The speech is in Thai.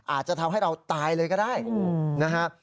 อาจจะทำให้เราตายเลยก็ได้นะฮะ